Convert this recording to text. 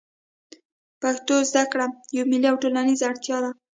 پښتو زده کړه یوه ملي او ټولنیزه اړتیا ده